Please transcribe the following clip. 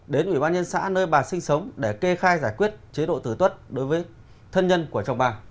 đến ủy ban nhân xã nơi bà sinh sống để kê khai giải quyết chế độ tử tuất đối với thân nhân của chồng bà